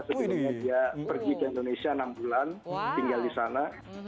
sebelumnya dia pergi ke indonesia enam bulan tinggal di sana